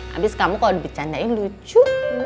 habis kamu kalau dicandain lucu